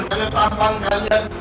karena tampang kalian tidak tampang